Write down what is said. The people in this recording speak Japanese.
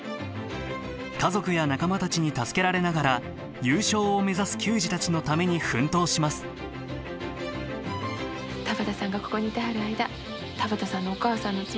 家族や仲間たちに助けられながら優勝を目指す球児たちのために奮闘します田畑さんがここにいてはる間田畑さんのお母さんのつもりで私応援してますさかい。